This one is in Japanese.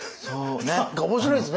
面白いですね。